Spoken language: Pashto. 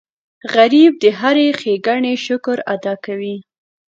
غریب د هرې ښېګڼې شکر ادا کوي